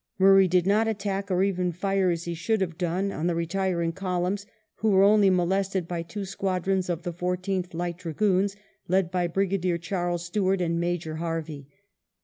Murray did not attack or even fire, as he should have done, on the retir ing columns, who were only molested by two squadrons of the Fourteenth Light Dragoons, led by Brigadier Charles Stewart and Major Hervey.